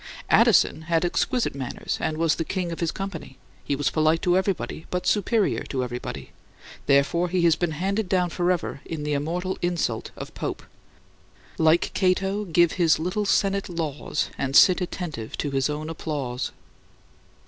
Addison had exquisite manners and was the king of his company; he was polite to everybody; but superior to everybody; therefore he has been handed down forever in the immortal insult of Pope "Like Cato, give his little Senate laws And sit attentive to his own applause."